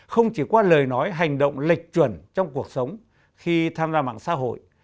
không chỉ qua lời nói hành động lệch chuẩn trong cuộc sống khi tham gia mạng xã hội